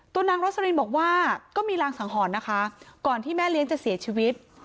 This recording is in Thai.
นางรสลินบอกว่าก็มีรางสังหรณ์นะคะก่อนที่แม่เลี้ยงจะเสียชีวิต